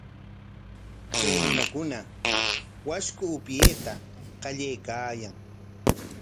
Chay runakuna washku upyayta qallaykaayan.